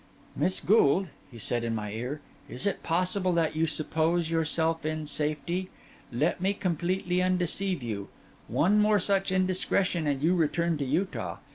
'Miss Gould,' he said in my ear, 'is it possible that you suppose yourself in safety? Let me completely undeceive you. One more such indiscretion and you return to Utah.